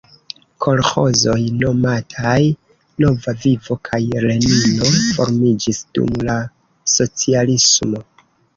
Kolĥozoj nomataj "Nova Vivo" kaj Lenino formiĝis dum la socialismo.